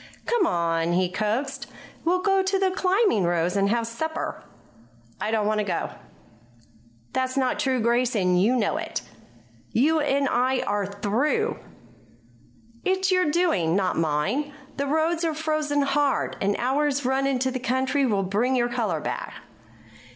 "Come on," he coaxed. "We'll go out to the Climbing Rose and have supper." "I don't want to go." "That's not true, Grace, and you know it." "You and I are through." "It's your doing, not mine. The roads are frozen hard; an hour's run into the country will bring your color back."